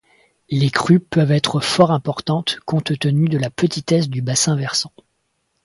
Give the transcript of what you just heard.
Les crues peuvent être fort importantes, compte tenu de la petitesse du bassin versant.